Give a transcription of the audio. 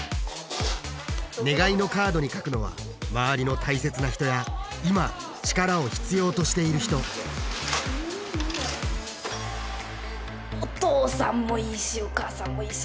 願いのカードに書くのは周りの大切な人や今力を必要としている人お父さんもいいしお母さんもいいしうん。